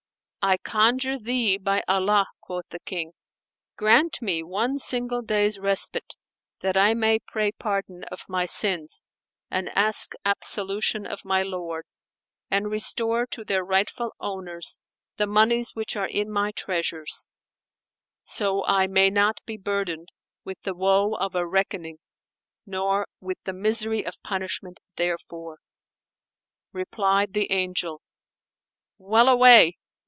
"I conjure thee, by Allah," quoth the King, "grant me one single day's respite, that I may pray pardon of my sins and ask absolution of my Lord and restore to their rightful owners the monies which are in my treasures, so I may not be burdened with the woe of a reckoning nor with the misery of punishment therefor." Replied the Angel, "Well away!